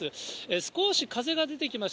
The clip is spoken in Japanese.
少し風が出てきました。